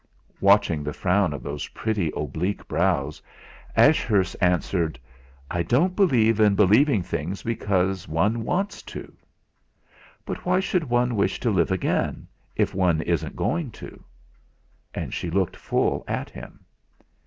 Watching the frown of those pretty oblique brows, Ashurst answered: "I don't believe in believing things because a one wants to." "But why should one wish to live again, if one isn't going to?" And she looked full at him.